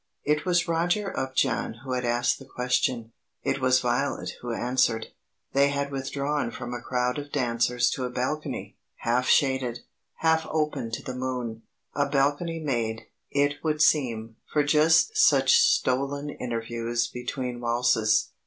It was Roger Upjohn who had asked the question; it was Violet who answered. They had withdrawn from a crowd of dancers to a balcony, half shaded, half open to the moon, a balcony made, it would seem, for just such stolen interviews between waltzes.